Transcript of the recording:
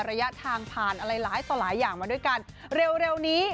ระยะทางผ่านอะไรหลายต่อหลายอย่างมาด้วยกันเร็วนี้